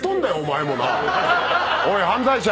おい犯罪者！